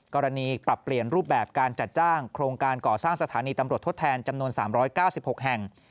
กรณีปรับเปลี่ยนรูปแบบการจัดจ้างโครงการก่อสร้างสถานีตำรวจทดแทนจำนวน๓๙๖แห่ง